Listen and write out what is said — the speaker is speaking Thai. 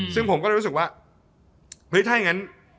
ซึ่งผมก็รู้สึกว่าถ้าอย่างนั้น